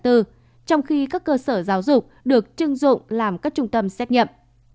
trong khi các cơ sở giáo dục được chưng dụng làm các trung tâm xét nghiệm